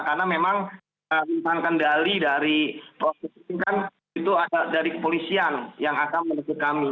karena memang kita di tahan kendali dari itu kan dari kepolisian yang akan menuju kami